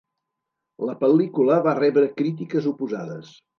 La pel·lícula va rebre crítiques oposades.